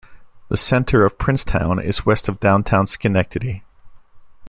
The center of Princetown is west of downtown Schenectady.